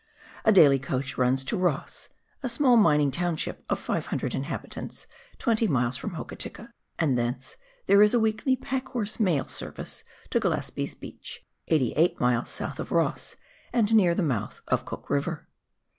A daily coach runs to Ptoss, a small mining township of oOO inhabitants, 20 miles from Hokitika, and thence there is a weekly pack horse mail service to Gillespie's Beach, 88 miles south of Hoss, and near the mouth of Cook River.